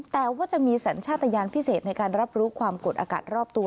แต่ว่าจะมีสัญชาติยานพิเศษในการรับรู้ความกดอากาศรอบตัว